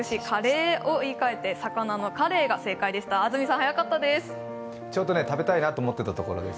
安住さん早かったです。